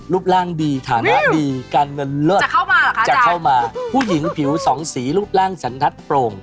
รูปร่างดีฐานะดีการเงินเลิศจะเข้ามาผู้หญิงผิวสองสีรูปร่างสันทัศน์โปร่ง